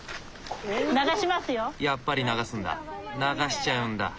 やっぱり流すんだ流しちゃうんだ。